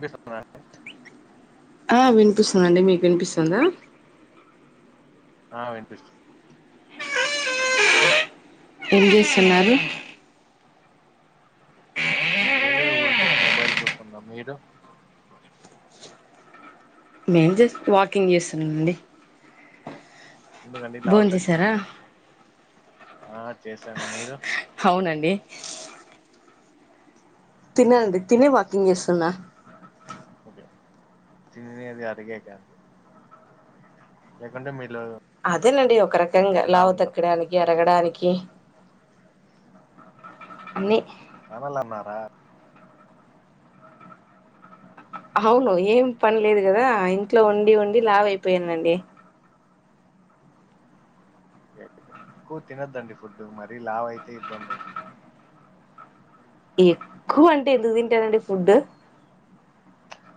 వినిపిస్తుందా ఆ వినిపిస్తుందిండి మీకు వినిపిస్తుందా ఆ వినిపిస్తు వినిపిస్తున్నది ఏద లేదు ఊరికే మొబైల్ చూస్తుందా మీరు మేం జస్ట్ వాకింగ్ చేస్తునండి ఎందుకండి లావు తగ్గా చేసారా ఆ చేశాను మీరు అవునండి తిననండి తినే వాకింగ్ చేస్తున్నా తినని అది అడిగే గా లేకుంటే మీద్ అదేనండి ఒక రకంగా లావు ఉన్నారా తక్కడానికి అరగడానికి కి అన్ని కానలన్నారా అవును ఏం పని లేదు కదా ఇంట్లో ఉండి ఉండి లావు అయిపోయాన అండి ఎక్కు తినద్దండి ఫుడ్ మరీ లావయితే ఇబ్బంది ఎక్కువ అంటే ఎందుకు తింటానండి ఫుడ్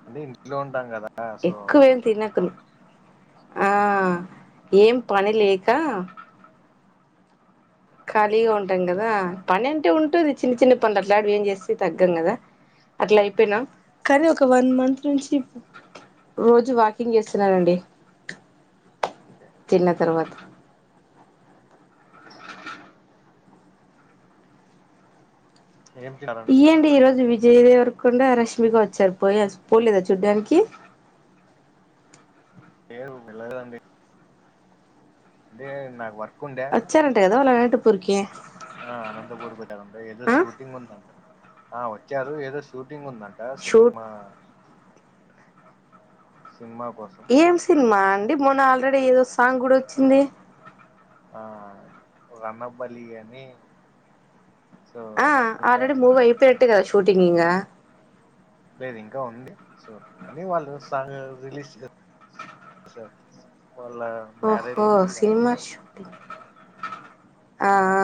అంటే ఇంట్లో ఉంటాం కదా సో ఎక్కు వెన్ ఆ, తినకును ఆ ఏం పని లేక ఖాళీగా ఉంటాం కదా పని అంటే ఉంటుంది చిన్న చిన్న పనులు అట్లాంటివి ఏం చేస్తే తగ్గాం కదా అట్లా అయిపోయినా కానీ ఒక వన్ మంత్ నుంచి రోజు వాకింగ్ చేస్తున్నానండి ఓకే. తిన్న తరువాత ఏం తిన్నారండి ఇయ్యండి ఈరోజు వి విజయ్ దేవరకొండ రష్మిక వచ్చారు పోయిస్ పోలేదా చూడ్డానికి లేరు వెళ్ళ లేదు అండి అదే నాకు వర్ వచ్చారంట కదా వలా వెంట పోరికి ఆ అనంతపూర్కి వచ్చారంట ఏదో షూటింగ్ ఉందంట ఆ వచ్చారు ఏదో షూటింగ్ ఉందంట షూట్ సినిమా సినిమా కోసం ఏం సినిమా అండి మొన్న ఆల్రెడీ ఏదో సాంగ్ కూడా వచ్చింది ఆ రణబలి అని సో ఆ రష్మిక ఆల్రెడి మూవ్ అయిపోయిటే కదా షూటింగ్ ఇంగా లేదు ఇంకా ఉంది సో కానీ వాళ్ళు సాంగ్ రిలీజ్ చే సారు ఓహో సినిమా షూటింగ్ ఆ ఆ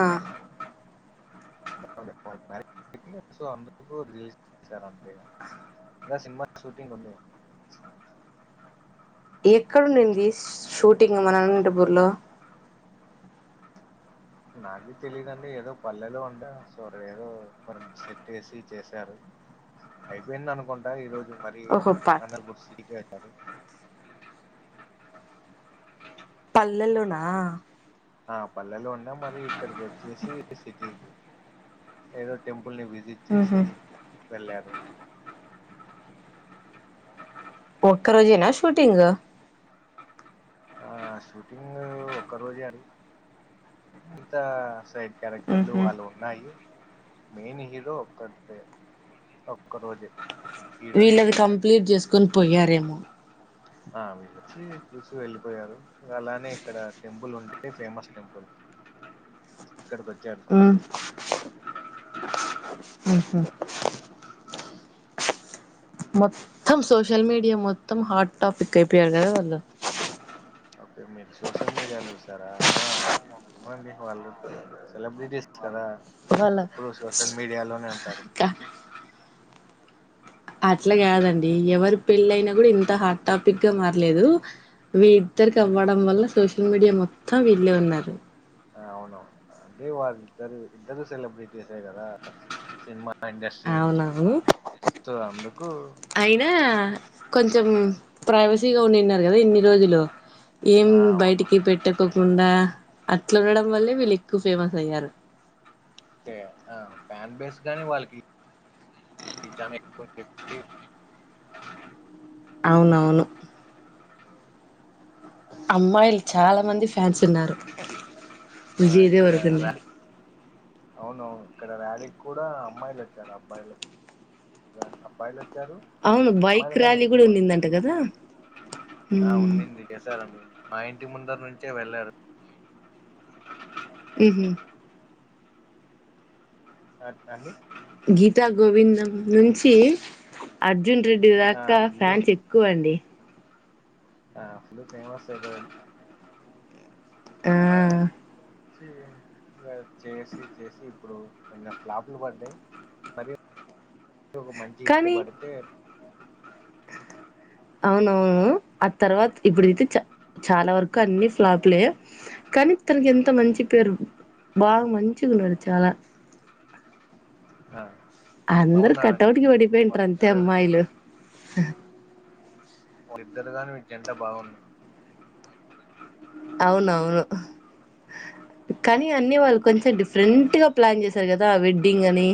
[unintelligible] మ్యారేజ్ కి సో అందుకు రిలీజ్ చేశారు అంతే గా సినిమా షూటింగ్ ఉంది ఎక్కడ ఉండింది షూటింగ్ మన అనంతపూర్ లో నాకు తెలీదు అండి ఏదో పల్లెలో అంటే సో ఏదో కొన్ని సెట్ వేసి చేసారు అయిపోయింది అనుకుంటా ఈ రోజు మరి ఓహో ప అనపూర్ సిటీకే తారు పల్లెల్లోనా ఆ పల్లెలో ఉన్న మరి ఇక్కడికి వచ్చేసి సిటీకి ఏదో టెం వుల్ని విజిట్ ఉహు చేసి వెళ్ళారు ఒక్క రోజేనా షూటింగ్ ఆ షూటింగ్ ఒక్క రోజే అడి ఇతా సైట్ క్యారెక్టర్లు ఉహు వాళ్ళు ఉన్నాయి మెయిన్ హీరో ఒక్క తే ఒక్క రోజే హీరో వీళ్ళది హీరోయిన్ కంప్లీట్ చేసుకోని పోయారేమో ఆ వీళ్ళు వచ్చి చూసి వెళ్ళిపోయారు ఇంకా అలానే ఇక్కడ టెంపుల్ ఉంటే ఫేమస్ టెంపుల్ ఇక్కడికి వచ్చారు ఉమ్ చూసే ఆహా మొత్తం సోషల్ మీడియా మొత్తం హాట్ టాపిక్ అయిపోయారు కదా వాళ్లు ఓకే మీరు సోషల్ మీడియాలో చూస్తారా ఆ ఇవ్వండి వాళ్లు సెలబ్రిటీస్ కదా వాళ్ళ ఎప్పుడూ సోషల్ మీడియాలోనే ఉంటారు క అట్లా కాదండి ఎవరు పెళ్లి అయినా కూడా ఇంత హాట్ టాపిక్ గా మారలేదు వీ ఇద్దరికి అవ్వడం వల్ల సోషల్ మీడియా మొత్తం వీళ్ళే ఉన్నారు ఆ అవునవువు అంటే వారి ఇద్దరు ఇద్దరు సెలబ్రిటీస్ ఏ కదా సినిమా ఆ ఇండస్ట్రీ నుంచే అవునవును త అందుకు అయినా కొంచెం ప్రైవసీగా ఉండిన్నరు కదా ఇన్ని రోజులు ఏం ఆ అవునా బయటికి పెట్టకు తుండా అట్ల ఉండడం వల్లే వీళ్ళు ఎక్కువ ఫేమస్ అయ్యారు తే ఆ ఫ్యాన్ బేస్ గాని వాళ్ళకి ఈ జమ ఎక్కువుంది చెప్పి అవునవును అమ్మాయిలు చాలా మంది ఫ్యాన్స్ ఉన్నారు. ఆ విజయ్ ఇక్కడ దేవరకొండకి ర్యాలీ అవునవును ఇక్కడ ర్యాలీకి కూడా అమ్మాయిలు వచ్చారు అబ్బాయిలు ఏ అప్పైన అవును బైక్ ర్యాలీ వచ్చారు కుదవుందిందంట కదా ఆ మ్మ్ ఉందిండి చేశారండి మా ఇంటి ముందర నుంచే వెళ్ళారు ఉమ్ రాత్ర అడి గీతా గోవిందం నుంచి అట్ అర్జున్ రెడ్డి దాకా ఫుల్ ఫ్యాన్స్ ఎక్కువ అండి ఆ ఫులు ఫేమస్ అయిపోయినడు ఆ ఇ ఇప్పు నుంచి ఇ చేసి చేసి ఇప్పుడు కొంచెం ఫ్లాపులు పడ్డాయి ఇప్పుడు ఒక మంచి హిట్ కానీ పడితే అవునవును ఆ తర్వాత ఇప్పుడైతే చ చాలా వరకు అన్ని ఫ్లాప్లే కానీ తనకి ఎంత మంచి పేరు బాగా మంచిగున్నది చాల ఆ, అందరు బాగున్నాడండి కటౌట్కి పడిపోయింటరు అంతే వాళ్ళిద్దరు అమ్మాయిలు వాళిద్దరు గాని మీ జంట బాగున్ధ అవునవును కానీ అన్ని వాళ్ళు కొంచెం డిఫరెంట్ గా ప్లాన్ చేసారు కదా వెడ్డింగ్ అని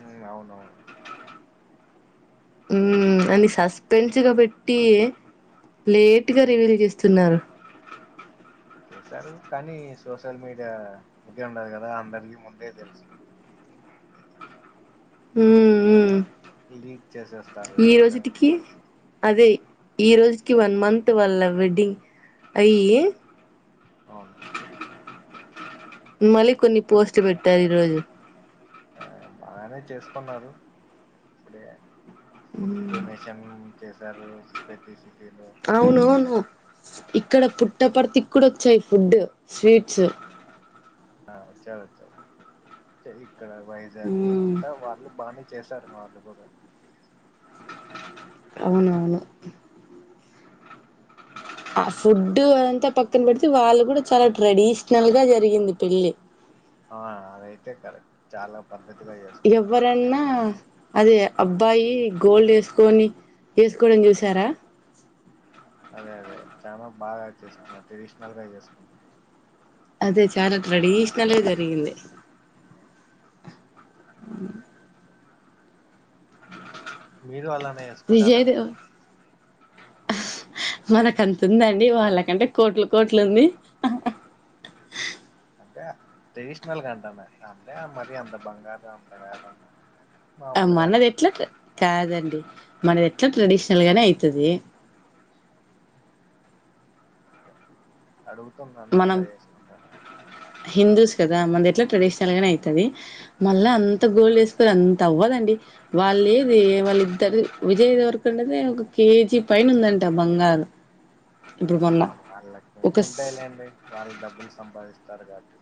ఉ అవునవును ఉ అని సస్పెన్స్ గా పెట్టి లేటుగా రేవీలు చేస్తున్నారు చేశారు కానీ సోషల్ మీడియా ఇదే ఉండదు గదా అందరికి ముందే తెలుసు ఉమ్ మ్ ఇది చేసేస్తారు సోషల్ మీడియాలో అదే ఈ రోజుకి వన్ మంత్ వాళ్ళ వెడ్డింగ్ అయ్యి అవును మళ్ళీ కొన్ని పోస్ట్ పెట్టారు ఈరోజు ఆ బాగానే చేసుకున్నారు ఇప్పుడే ఫుడ్ డొనేషన్ చేసారు ప్రతిసి అవును అవును ఇక్కడ పుట్టపర్తి కూడా వచ్చాయి ఫుడ్ స్వీట్స్ వచ్చారొచ్చారు ఇక్కడ వైజాగ్ అంతా వాళ్ళు బానే చేశారు వాళ్లు కూడా అవునువును [inaudible] ఆ ఫుడ్ అదంతా పక్కన పెడితే వాళ్ళు కూడా చాలా ట్రెడిషనల్గా జరిగింది పెళ్లి అ పద్ధతిగా చేసుకు ఎవరన్నా అది అబ్బాయి గోల్డ్ ఏసుకొని ఏసుకోవడం చూసారా? అదే అదే చాలా బాగా చేసుకున్నావ్ ట్రెడిషనల్ గా ఏసుకున్నావ్. అదే చాలా ట్రెడిషనలే జరిగింది. అ మీరు అలానే ఏసుకుంటారండి. మనక అంత ఉందండి. వాళ్ళకంటే కోట్లు కోట్లు ఉంది. అంటే ట్రెడిషనల్ కంటన్న అంటే మరి అంత బంగారం అంత కాకుండా ఆ మామూలుగాని మనది ఎట్లా క కాదండి. మనది ఎట్లా ట్రెడిషనల్ గానే అయితది. అడుగుతున్నాను మనం అలా ఏసుకుంటారా? హిందూస్ కదా మనది ఎట్లాగ్ ట్రెడిషనల్ గానే అయితుది మళ్ళా అంత గోల్డ్ ఏసుకొని అంత అవ్వదండి. వాళ్ళేది వాళ్ళిద్దరది విజయ్ దేవరకొండది ఒక కేజీ పైన ఉందంట ఆ బంగారం ఆ వాళ్ళకి ఏమి ఒక ఉంటాయిలేండి. వాళ్ళు డబ్బులు సంపాదిస్తారు. కావట్టి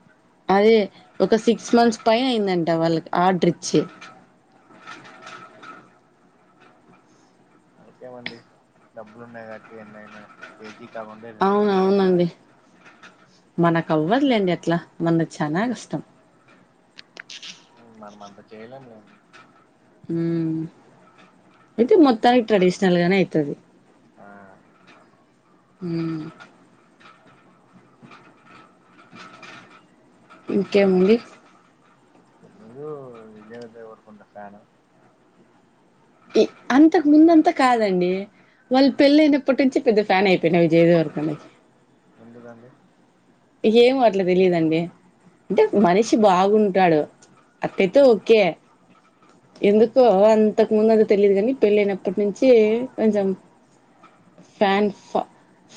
అదే ఒక సిక్స్ మంత్స్ పైన అయిందంట వాళ్ళకి ఆర్డర్ ఇచ్చి ఇంకేమండి డబ్బులున్నాయి కావట్టి ఎన్నయినా కేజీ కాకుండా రెండు అవును కేజీలైనా అవునండి ఆర్డర్ మనకు అవ్వదులేండి అ అట్లా మనద్ చానా నష్టం. మనం అంత చేయలేం లేం ఉమ్ అయితే మొత్తానికి ట్రెడిషనల్ గానే అయితది. ఆ ఉమ్ ఇంకేముంది. మీరు విజయదేవరకొండ ఫాన్ ఆ అంతకు ముందంత కాదండి. వాళ్ళు పెళ్ళి అయినప్పటి నుంచి పెద్ద ఫ్యాన్ అయిపోయిన విజయ దేవరకొండకి ఎందుకండి. ఏం అట్లా తెలిదండి. అంటే మనిషి బాగుంటాడు అటైతో ఓకే ఎందుకో అంతకు ముందు అ ది తెలియదు. కాని పెళ్ళినప్పటి నుంచి కొంచెం ఫాన్ ఫ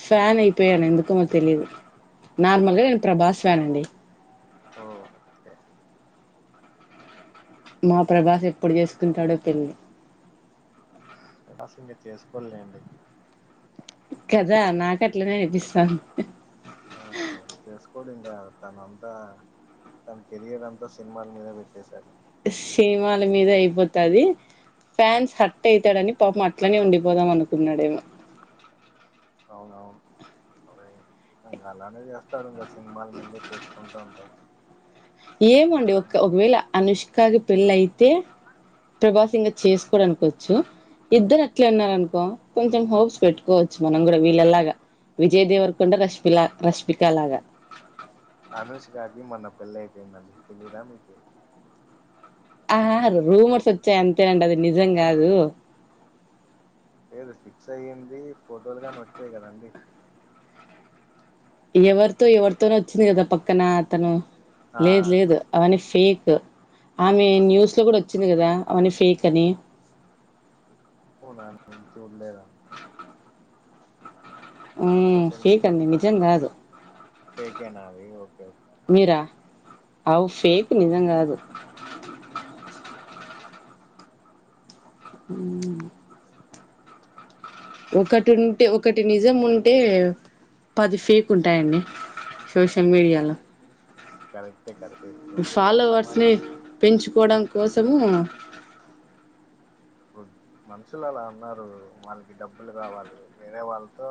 ఫాన్ అయిపోయాను ఎందుకు మరి తెలిదు. నార్మల్గా నేను ప్రభాస్ ఫ్యానండి. ఓ ఓకే మా ప్రభాస్ ఎప్పుడు చేసుకుంటాడో పెళ్ళి టాస్క్లు నేన్ చేసుకోన్లేండి కదా నాక్ అట్లనే అనిపిస్తంది. ఆ ఈ చేసుకొండి. త తనఅంతా తన కెరియర్ అంతా సినిమాల మీద పెట్టేసాడు. ట్ష్ స్సినిమాల మీద అయిపోతాది. ఫ్యాన్స్ హట్ అయితాడని పాపం అట్లనే ఉండిపోదాం అనుకున్నాడేమో? అవునవును అరే ఇంగా అలానే చేస్తారు. ఇంగా సినిమలు ముందే చేసుకుంటా ఉంటారు. ఏమొండి ఒక ఒకవేళ అనుష్కాకి పెళ్ళి అయితే ప్రభాసింగా చేసుకోడనుకోవచ్చు. ఇద్దరు అట్లే ఉన్నారనుకో కొంచెం హోప్స్ పెట్టుకోవచ్చు. మనం కూడా వీళ్ళలాగా విజయ్ దేవరకొండ రష్మిలా రష్పికాలగా అనుష్కకి మొన్న పెళ్లి అయిపోయిందండి తెలియదా మీకు? ఆ రూమర్స్ వచ్చాయి అంతెండి అది నిజం కాదు. లేదు ఫిక్స్ అయ్యింది. ఫోటోలు కాని వచ్చాయి కదండి. ఎవర్తో ఎవర్తోనో వచ్చింది గదా పక్కనా తను ఆ లేద్ లేదు అవన్నీ ఫేక్ ఆమే న్యూస్ లో గుడోచ్చింది గదా ఫేకా అవన్ని ఫేక్ అని అవునా నేన్ చూడలేర ఉమ్మ్ ఫేకండి నిజం గాదు ఫకేనాది ఓకే ఓ మీరా అవు ఫేక్ నిజంగాదు ఒకటుంటె ఒకటి నిజం ఉంటే పది ఫేక్ ఉంటాయండి సోషల్ ఆ మీడియాలో కరెక్టే కరె ఫాలోవర్స్ ని పెంచుకోడం కోసమూ మనుషులలా ఉన్నారు వాళ్ళకి డబ్బులు కావాలీ వేరే వాళ్తో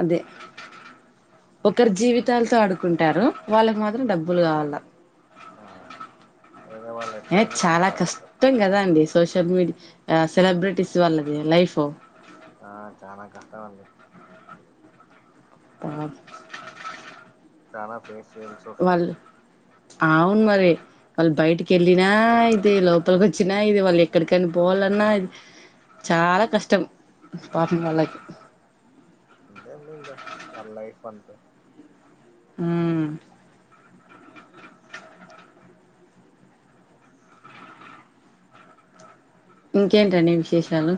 అదే ఒకరి జీవితాల్తో ఆడుకుంటారు వాళ్ళకు మాత్రం డబ్బులు గావళ్ళ ఆ వేరే వాళ్ళుకి [unintelligible] ఏ అయింది చాలా పాపం వాళ్లకి కష్టం కదా అండి సోషల్ మీడి ఆ సెలబ్రిటీస్ వాళ్ళదీ లైఫు ఆ చానా కష్టం అండి అ చాలా ఫేస్ చేయల్సొస్తురు అవున్ మరీ వళ్ళు బయటికెళ్ళినా ఇదే లోపల్కొచ్చినా ఇది వాళ్లెక్కడికని పో పోవళ్ళన్నా ఇది చాలా కష్టం పాపం వాళ్ళకి అంతే ఉన్నదింక వాళ్లైఫ్ అంతె ఉమ్ ఇంకేంటడీ విశేషాలు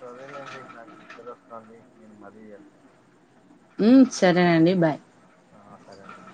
సరేలేండి నాకు నిద్రొస్తాంది నేను మళ్ళీ చేస్తాను ఉమ్మ్మ్ సరేనండి బాయ్ ఆ సరండి